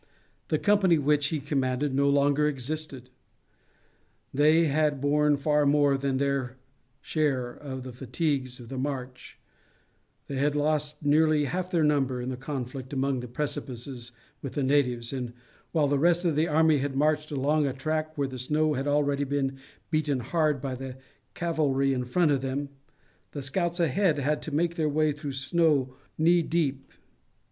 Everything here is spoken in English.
The company which he commanded no longer existed; they had borne far more than their share of the fatigues of the march; they had lost nearly half their number in the conflict among the precipices with the natives, and while the rest of the army had marched along a track where the snow had already been beaten hard by the cavalry in front of them, the scouts ahead had to make their way through snow knee deep.